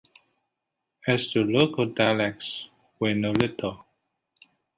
As to local dialects, we know little.